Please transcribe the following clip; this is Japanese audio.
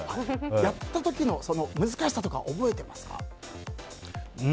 やった時の難しさとかは覚えてますか？